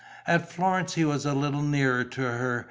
At Florence he was a little nearer to her.